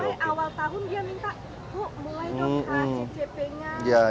kalau kamu mulai awal tahun dia minta bu mulai dong kasi cp nya